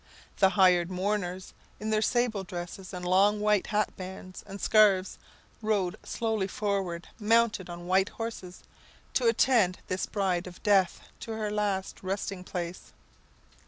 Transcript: The hired mourners, in their sable dresses and long white hatbands and scarfs, rode slowly forward mounted on white horses, to attend this bride of death to her last resting place.